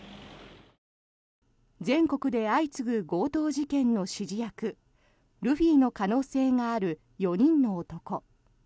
全国で相次ぐ強盗事件の指示役ルフィの可能性がある４人の男。